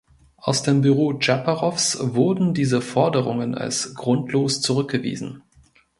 Aus dem Büro Dschaparows wurden diese Forderungen als grundlos zurückgewiesen.